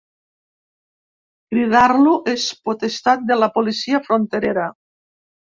Cridar-lo és potestat de la policia fronterera.